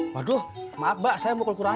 waduh maaf mbak saya mau kulur kurang